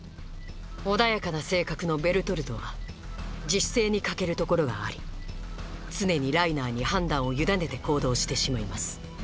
穏やかな性格のベルトルトは自主性に欠けるところがあり常にライナーに判断を委ねて行動してしまいます。